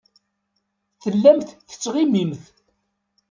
Tellamt tettɣimimt.